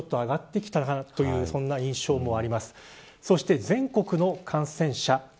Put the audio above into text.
そして、全国の感染者